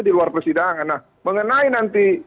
di luar persidangan nah mengenai nanti